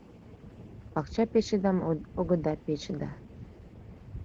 Пакча печыдам огыда пече да